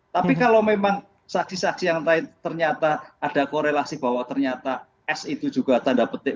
tapi kalau memang saksi saksi yang lain ternyata ada korelasi bahwa ternyata s itu juga tanda petik